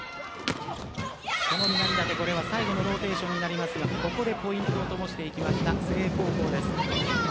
南舘、最後のローテーションになりますがここでポイントを灯してきました誠英高校です。